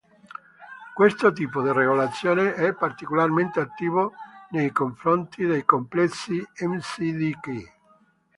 Questo tipo di regolazione è particolarmente attivo nei confronti dei complessi M-Cdk.